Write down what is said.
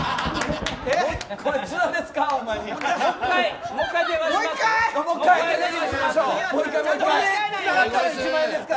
これ津田ですか？